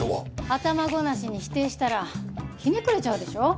頭ごなしに否定したらひねくれちゃうでしょ。